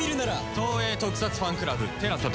東映特撮ファンクラブＴＥＬＡＳＡで。